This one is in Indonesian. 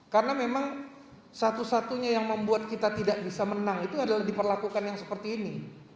karena memang satu satunya yang membuat kita tidak bisa menang itu adalah diperlakukan yang seperti ini